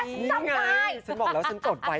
นี่ไงฉันบอกแล้วฉันจดไว้